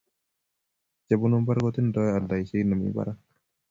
chebunu mbar kotindai aldaishet nemi barak